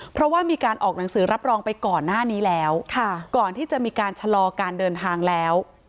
เพราะว่ามีการออกหนังสือรับรองไปก่อนหน้านี้แล้วก่อนที่จะมีการชะลอการเดินทางแล้ว